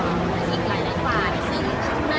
ช่องความหล่อของพี่ต้องการอันนี้นะครับ